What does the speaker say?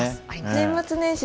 年末年始